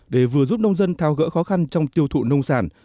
để vừa giúp nông dân thao gỡ khó khăn trong tiêu thụ nông sản